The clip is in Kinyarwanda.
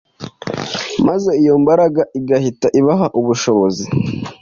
maze iyo mbaraga igahita ibaha ubushobozi